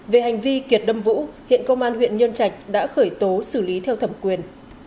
về hành vi kiệt đâm vũ hiện công an huyện nhân trạch đã khởi tố xử lý theo thẩm quyền